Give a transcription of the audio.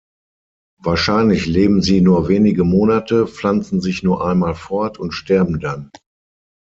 Wahrscheinlich leben sie nur wenige Monate, pflanzen sich nur einmal fort und sterben dann.